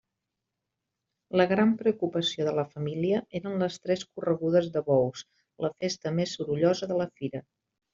La gran preocupació de la família eren les tres corregudes de bous, la festa més sorollosa de la fira.